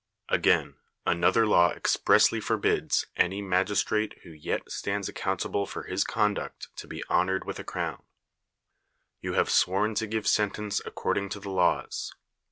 Again, another law expressly forbids any magistrate who yet stands accountable for his conduct to be honored with a crown. You have sworn to give sentence according to the laws.